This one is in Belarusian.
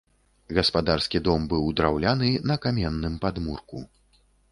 Гаспадарскі дом быў драўляны, на каменным падмурку.